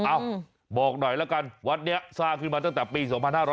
เอ้าบอกหน่อยละกันวัดนี้สร้างขึ้นมาตั้งแต่ปี๒๕๕๙